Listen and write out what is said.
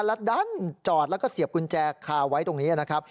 แล้วดันจอดแล้วก็เสียบกุญแจคาไว้ตรงนี้นะครับ